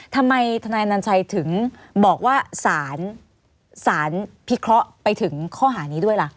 ทำไมธนาญานันชัยถึงบอกว่าสารภิเขาะไปถึงข้อหานี้ด้วยล่ะ